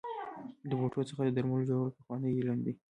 د بوټو څخه د درملو جوړول پخوانی علم دی.